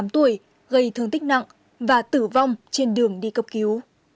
bốn mươi tám tuổi gây thương tích nặng và tử vong trên đường đi cập cứu